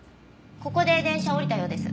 ここで電車を降りたようです。